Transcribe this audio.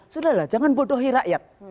sudahlah jangan bodohi rakyat